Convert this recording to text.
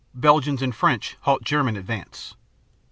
Belgians and French halt German advance.